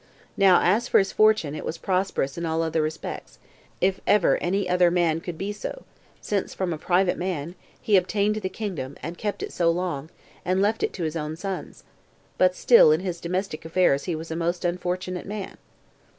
Now as for his fortune, it was prosperous in all other respects, if ever any other man could be so, since, from a private man, he obtained the kingdom, and kept it so long, and left it to his own sons; but still in his domestic affairs he was a most unfortunate man.